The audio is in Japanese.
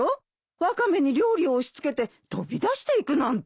ワカメに料理を押し付けて飛び出していくなんて。